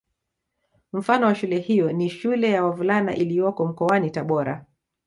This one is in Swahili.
Mfano wa shule hiyo ni Shule ya wavulana iliyoko mkoani Tabora